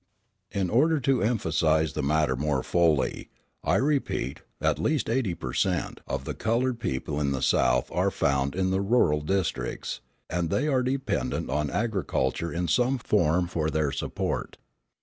In order to emphasise the matter more fully, I repeat, at least eighty per cent. of the coloured people in the South are found in the rural districts, and they are dependent on agriculture in some form for their support.